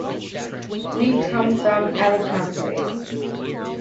We come from Alicante.